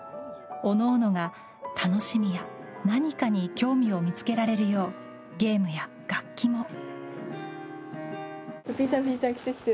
各々が楽しみや何かに興味を見つけられるようゲームや楽器も。